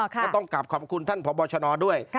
ก็ต้องกลับขอบคุณท่านพบชนด้วย